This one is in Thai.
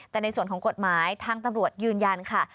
แต่ในส่วนของกฎหมายทางตำรวจยืนยันค่ะ